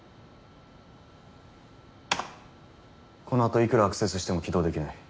このあといくらアクセスしても起動できない。